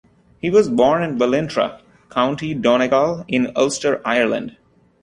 He was born in Ballintra, County Donegal, in Ulster, Ireland.